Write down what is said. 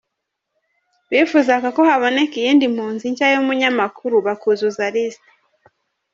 Bifuzaga ko haboneka iyindi mpunzi nshya y’umunyamakuru, bakuzuza liste.